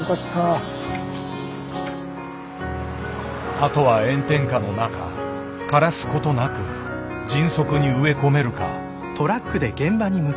あとは炎天下の中枯らすことなく迅速に植え込めるか。